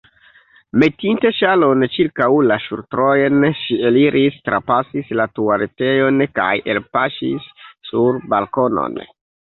Metinte ŝalon ĉirkaŭ la ŝultrojn, ŝi eliris, trapasis la tualetejon kaj elpaŝis sur balkonon.